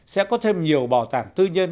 sẽ có thêm nhiều bảo tàng tư nhân